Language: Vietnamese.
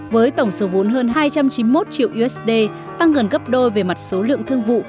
với tổng số vốn hơn hai trăm chín mươi một triệu usd tăng gần gấp đôi về mặt số lượng thương vụ